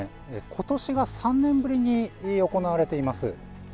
ことし、３年ぶりに行われています。